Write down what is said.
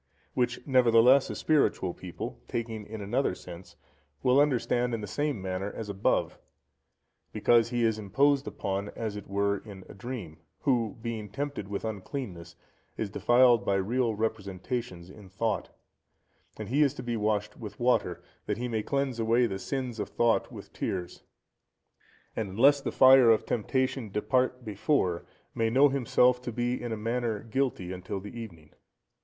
Which, nevertheless, a spiritual people, taking in another sense, will understand in the same manner as above; because he is imposed upon as it were in a dream, who, being tempted with uncleanness, is defiled by real representations in thought, and he is to be washed with water, that he may cleanse away the sins of thought with tears; and unless the fire of temptation depart before, may know himself to be in a manner guilty until the evening.